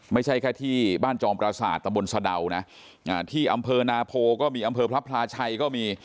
ไม่ใช่แค่ที่บ้านจอมประสาทตะบนสะดาวนะที่อำเภอนาโพก็มีอำเภอพระพลาชัยก็มี